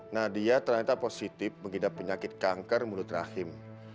nadiya ternyata positif mengidap penyakit kanker mulut rahim